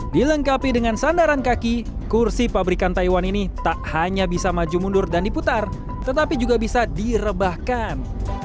dilengkapi dengan sandaran kaki kursi pabrikan taiwan ini tak hanya bisa maju mundur dan diputar tetapi juga bisa direbahkan